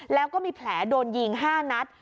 แล้วก็มีแผลโดนยิง๕นัด